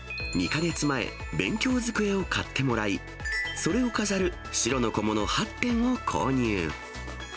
２か月前、勉強机を買ってもらい、それを飾る白の小物８点を購入。